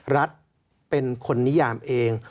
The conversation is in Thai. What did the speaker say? รัฐเป็นคนนิยามเอง